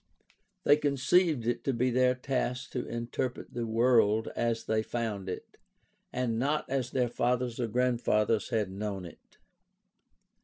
They con ceived it to be their task to interpret the world as they found it, and not as their fathers or grandfathers had known it.